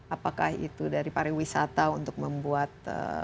apakah itu dari pariwisata untuk membuat